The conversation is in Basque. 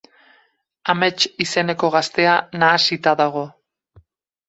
Amets izeneko gaztea nahasita dago.